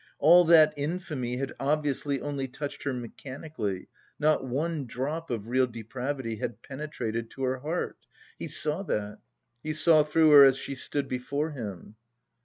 All that infamy had obviously only touched her mechanically, not one drop of real depravity had penetrated to her heart; he saw that. He saw through her as she stood before him....